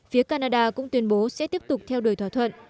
phía canada cũng tuyên bố sẽ tiếp tục theo đuổi thỏa thuận